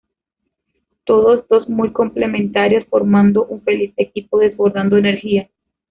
Todos dos muy complementarios, formando un feliz equipo desbordando energía.